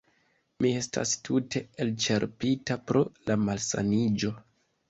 Mi estas tute elĉerpita pro la malsaniĝo